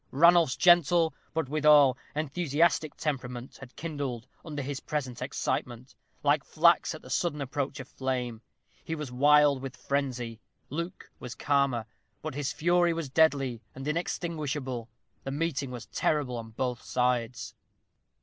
Ranulph's gentle, but withal enthusiastic temperament, had kindled, under his present excitement, like flax at the sudden approach of flame. He was wild with frenzy. Luke was calmer, but his fury was deadly and inextinguishable. The meeting was terrible on both sides.